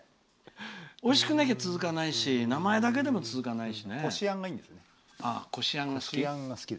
おいしいだけでも続かないし名前だけでも続かないし。